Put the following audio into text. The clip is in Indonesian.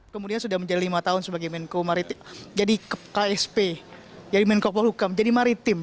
kemudian sudah menjadi lima tahun sebagai menko jadi ksp jadi menko polhukam jadi maritim